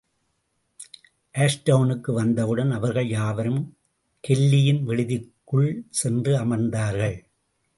ஆஷ்டவுனுக்கு வந்தவுடன் அவர்கள் யாவரும் கெல்லியின் விடுதிக்குள் சென்று அமர்ந்தார்கள்.